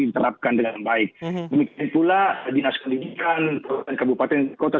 diterapkan dengan baik demikian pula dinas pendidikan kabupaten kota